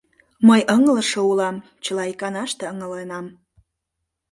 Мый ыҥылыше улам, чыла иканаште ыҥыленам.